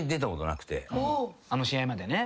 あの試合までね。